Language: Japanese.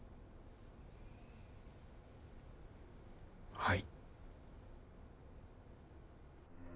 はい。